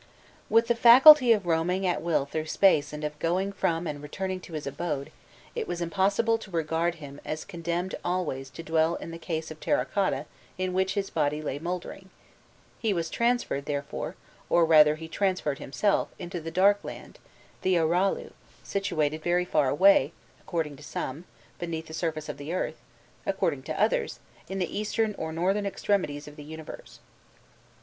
With the faculty of roaming at will through space, and of going forth from and returning to his abode, it was impossible to regard him as condemned always to dwell in the case of terra cotta in which his body lay mouldering: he was transferred, therefore, or rather he transferred himself, into the dark land the Aralu situated very far away according to some, beneath the surface of the earth; according to others, in the eastern or northern extremities of the universe.